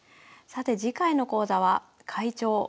さて次回の講座は「快調！